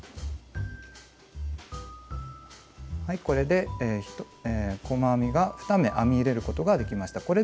これで細編みが２目編み入れることができました。